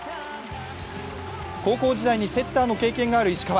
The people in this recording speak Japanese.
高校時代にセッターの経験がある石川。